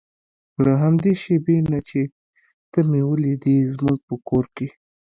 له همدې شېبې نه چې ته مې ولیدې زموږ په کور کې.